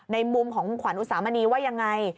ในมุมของขวัญอุสามณีว่ายังไง